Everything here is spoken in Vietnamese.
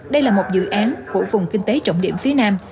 đây là một dự án của vùng kinh tế trọng điểm phía nam